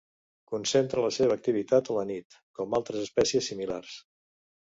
Concentra la seva activitat a la nit, com altres espècies similars.